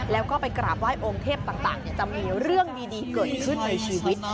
แล้วก็ไปกราบไห้องค์เทพต่างจะมีเรื่องดีเกิดขึ้นในชีวิต